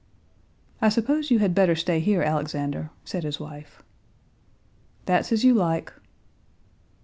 "I suppose you had better stay here, Alexander," said his wife. "That's as you like."